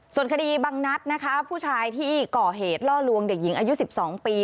ส่วนคดีบางนัดนะคะผู้ชายที่ก่อเหตุล่อลวงเด็กหญิงอายุ๑๒ปี